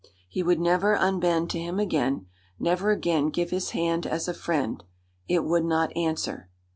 He would never unbend to him again never again give his hand as a friend. It would not answer.